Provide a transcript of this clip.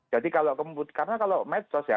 jadi kalau kemudian karena kalau metos ya